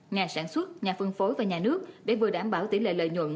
nhà sản xuất nhà phân phối và nhà nước để vừa đảm bảo tỷ lệ lợi nhuận